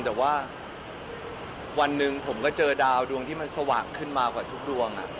แต่ว่าวันหนึ่งผมก็เจอดาวดวงที่มันสว่างขึ้นมากว่าทุกดวง